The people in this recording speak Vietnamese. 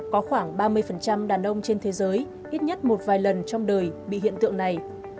có khoảng ba mươi đàn ông trên thế giới ít nhất một vài lần trong đời bị hiện tượng này